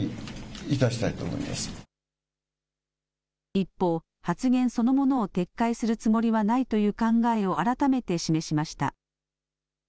一方、発言そのものを撤回するつもりはないという考えを改めて示しました。